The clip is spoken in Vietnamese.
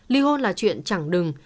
ly hôn là chuyện chẳng đừng